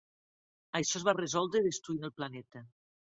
Això es va resoldre destruint el planeta.